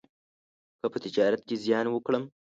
که په تجارت کې زیان وکړم،